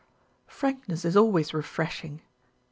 "Frankness is always refreshing."